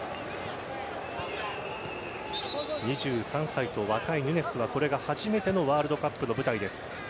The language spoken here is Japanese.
２３歳と若いヌニェスはこれが初めてのワールドカップの舞台です。